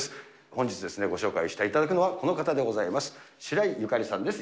本日ですね、ご紹介していただくのがこの方でございます。